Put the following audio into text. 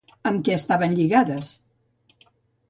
Amb què estaven lligades?